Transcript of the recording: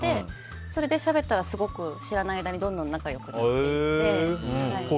それでしゃべったらすごく知らない間にどんどん仲良くなっていって。